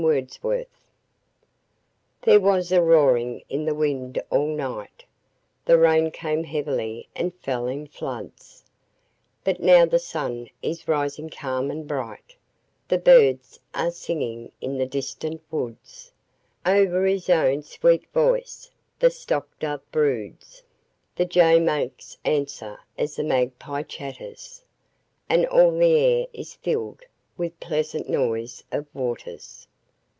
A SPRING MORNING There was a roaring in the wind all night; The rain came heavily and fell in floods: But now the sun is rising calm and bright, The birds are singing in the distant woods, Over his own sweet voice the stock dove broods, The jay makes answer as the magpie chatters, And all the air is filled with pleasant noise of waters.